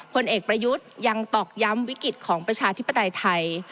ผลเอกประยุทธ์ยังตอกย้ำวิกฤตของประชาธิปไตยไทย